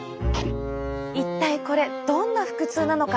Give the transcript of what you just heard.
一体これどんな腹痛なのか。